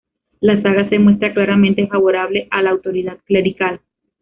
La saga se muestra claramente favorable a la autoridad clerical.